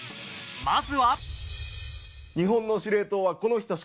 まずは。